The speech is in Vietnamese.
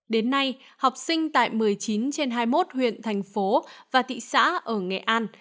đến nay học sinh tại một mươi chín trên hai mươi một huyện thành phố và thị xã ở nghệ an